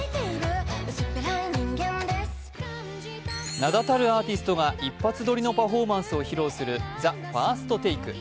名だたるアーティストが一発撮りのパフォーマンスを披露するＴＨＥＦＩＲＳＴＴＡＫＥ。